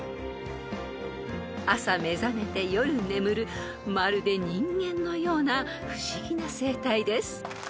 ［朝目覚めて夜眠るまるで人間のような不思議な生態です］